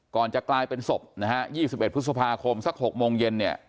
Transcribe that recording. ก่อนจะกลายเป็นศพนะฮะ๒๑พฤษภาคมสัก๖โมงเย็นเนี่ย